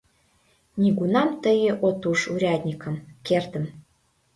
Нигунам тые от уж урядникым, кердым